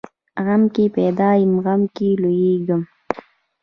غم کې پیدا یم، غم کې لویېږم.